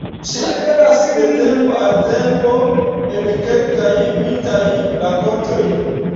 Ŝi aperas de tempo al tempo en kelkaj mitaj rakontoj.